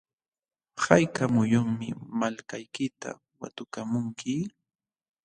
¿hayka muyunmi malkaykita watukamunki?